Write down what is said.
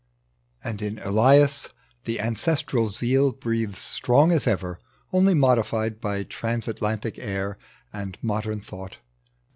And in Elias the ancestral zeal Breathes strong as ever, only modified By Transatlantic air and modem thought.